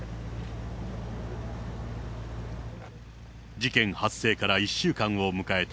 事件発生から１週間を迎えた